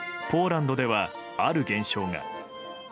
ポーランドでは、ある現象が。